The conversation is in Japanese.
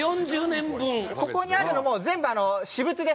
ここにあるのも全部私物です。